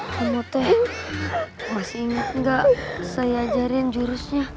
kamu teh masih ingat gak saya ajarin jurusnya